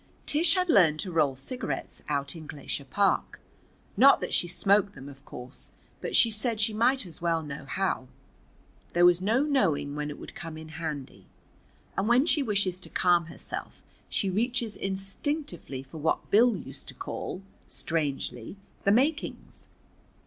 Tish had learned to roll cigarettes out in Glacier Park. Not that she smoked them, of course, but she said she might as well know how. There was no knowing when it would come in handy. And when she wishes to calm herself she reaches instinctively for what Bill used to call, strangely, "the makings."